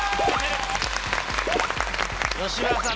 吉村さん